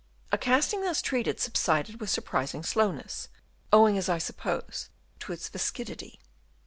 A casting thus treated subsided with surprising slowness, owing as I suppose to its viscidity.